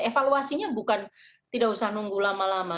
evaluasinya bukan tidak usah nunggu lama lama